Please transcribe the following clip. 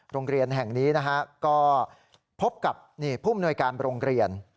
โรงเรียนแห่งนี้นะฮะก็พบกับผู้มนวยการโรงเรียน